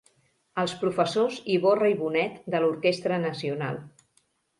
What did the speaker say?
Els professors Iborra i Bonet de l’Orquestra Nacional.